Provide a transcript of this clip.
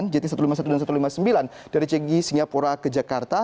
jt satu ratus lima puluh satu dan satu ratus lima puluh sembilan dari chegi singapura ke jakarta